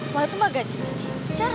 wah itu mbak gaji bener